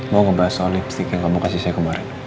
mau ngebahas soal lipstick yang kamu kasih saya kemarin